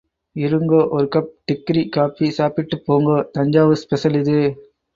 இருங்கோ... ஒரு cup degree coffee சாப்பிட்டுப் போங்கோ.... தஞ்சாவூர் ஸ்பெஷல் இது!...